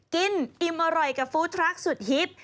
อิ่มอร่อยกับฟู้ดทรัคสุดฮิต